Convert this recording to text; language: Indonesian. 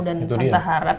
dan tante harap